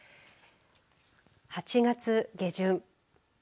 ８月下旬